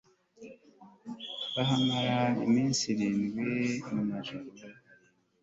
bahamara iminsi irindwi n'amajoro arindwi